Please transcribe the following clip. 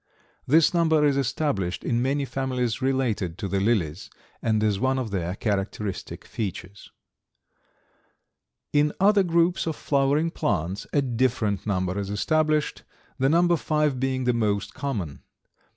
This number is established in many families related to the lilies, and is one of their characteristic features. In other groups of flowering plants a different number is established, the number five being the most common.